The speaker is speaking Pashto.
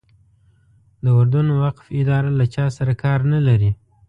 د اردن وقف اداره له چا سره کار نه لري.